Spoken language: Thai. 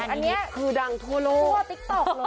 อันนี้คือดังทั่วโลก